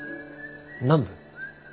南部？